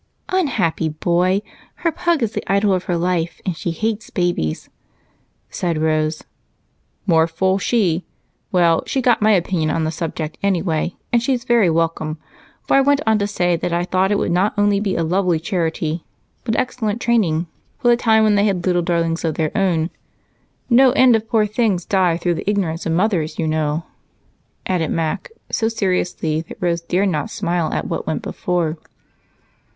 "Unhappy boy! Her pug is the idol of her life, and she hates babies," said Rose. "More fool she! Well, she got my opinion on the subject, anyway, and she's very welcome, for I went on to say that I thought it would not only be a lovely charity, but excellent training for the time when they had little darlings of their own. No end of poor things die through the ignorance of mothers, you know," added Mac, so seriously that Rose dared not smile at what went before.